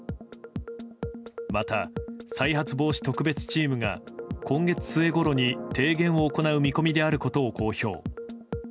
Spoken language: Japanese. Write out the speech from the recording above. また、再発防止特別チームが今月末ごろに提言を行う見込みであることを公表。